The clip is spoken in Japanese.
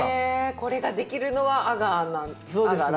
これができるのはアガーだってことですね。